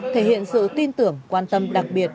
thể hiện sự tin tưởng quan tâm đặc biệt